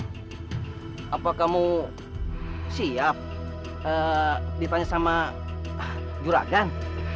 hai apa kamu siap ditanya sama juragan